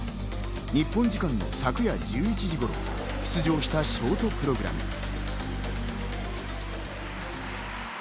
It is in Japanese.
日本時間の昨夜１１時頃、出場したショートプログラム。